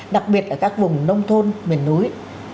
đặc biệt là các vùng nông thôn miền núi